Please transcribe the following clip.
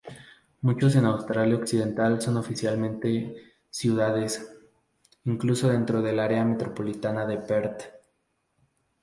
Muchos en Australia Occidental son oficialmente "ciudades", incluso dentro del área metropolitana de Perth.